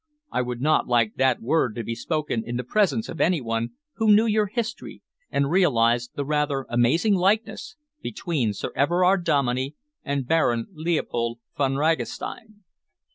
I would not like that word to be spoken in the presence of any one who knew your history and realised the rather amazing likeness between Sir Everard Dominey and Baron Leopold Von Ragastein."